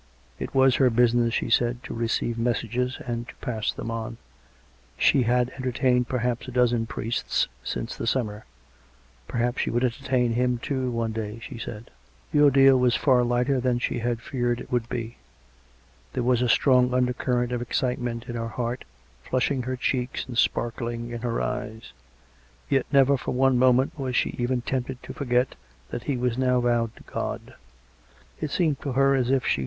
It was her business, she said, to receive messages and to pasrs them on; she had entertained perhaps a dozen priests since the summer; perhaps she would entertain him, too, one day, she said. The ordeal was far lighter than she had feared it would be. There was a strong undercurrent of excitement in her heart, flushing her checks and sparkling in her eyes; yet never for one moment was she even tempted to forget that he was now vowed to God. It seemed to her as if she 170 COME RACK! COME ROPE!